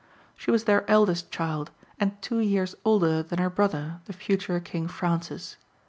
She was their eldest child, and two years older than her brother, the future King Francis.